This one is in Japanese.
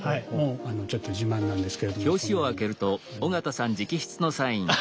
ちょっと自慢なんですけれどもこのように。